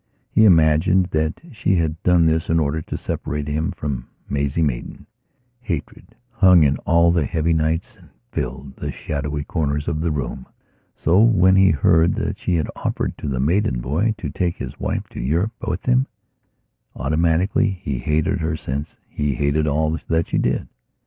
He imagined that she had done this in order to separate him from Maisie Maidan. Hatred hung in all the heavy nights and filled the shadowy corners of the room. So when he heard that she had offered to the Maidan boy to take his wife to Europe with him, automatically he hated her since he hated all that she did.